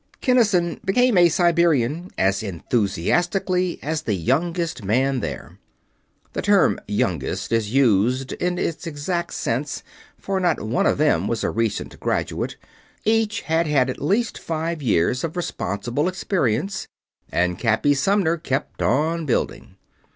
Kinnison became a Siberian as enthusiastically as the youngest man there. The term "youngest" is used in its exact sense, for not one of them was a recent graduate. Each had had at least five years of responsible experience, and "Cappy" Sumner kept on building.